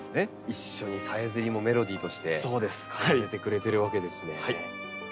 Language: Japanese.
一緒にさえずりもメロディーとして奏でてくれてるわけですね。